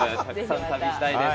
旅したいです。